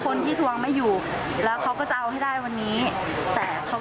พูดตายเลยนะสอบพ่อนเลี้ยงเรา